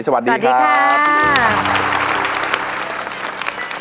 สวัสดีครับสวัสดีครับ